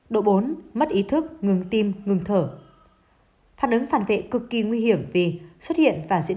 độ bốn mất ý thức ngừng tim ngừng thở phản ứng phản vệ cực kỳ nguy hiểm vì xuất hiện và diễn